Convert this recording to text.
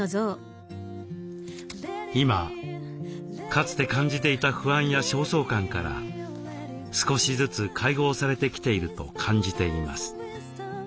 今かつて感じていた不安や焦燥感から少しずつ解放されてきていると感じています。